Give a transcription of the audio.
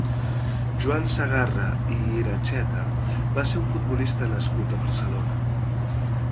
Joan Segarra i Iracheta va ser un futbolista nascut a Barcelona.